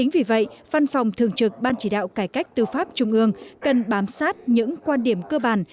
vì vậy văn phòng thường trực ban chỉ đạo cải cách tư pháp trung ương cần bám sát những quan điểm cơ bản